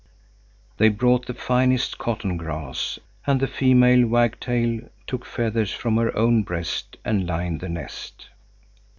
They brought the finest cotton grass, and the female wagtail took feathers from her own breast and lined the nest.